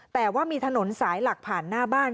แต่ว่ามีถนนสายหลักผ่านหน้าบ้าน